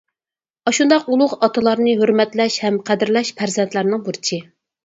ئاشۇنداق ئۇلۇغ ئاتىلارنى ھۆرمەتلەش ھەم قەدىرلەش پەرزەنتلەرنىڭ بۇرچى.